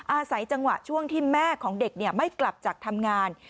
อาศัยจังหวะช่วงที่แม่ของเด็กไม่กลับจากทำงาน